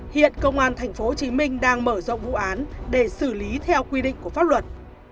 hiện công an tp hcm đang mở rộng vụ án để xử lý theo quy định của pháp luật